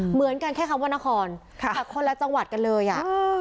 เหมือนกันแค่คำว่านครค่ะคนละจังหวัดกันเลยอ่ะ